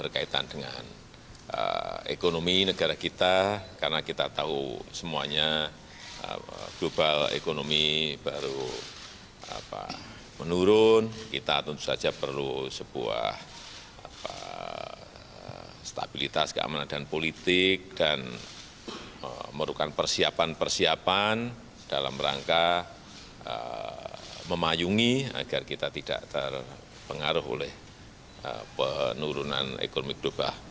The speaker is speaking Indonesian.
kita tentu saja perlu sebuah stabilitas keamanan dan politik dan merukan persiapan persiapan dalam rangka memayungi agar kita tidak terpengaruh oleh penurunan ekonomi kedua